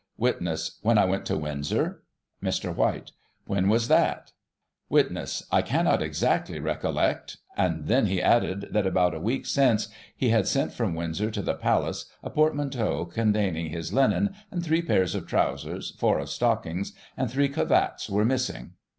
Witness : When I went to Windsor. Mr. White : When was that ? Witness : I cannot exactly recollect, and then he added, that about a week since, he had sent from Windsor to the Palace, a portmanteau containing his linen, and three pairs of trousers, four of stockings, and three cravats were missing.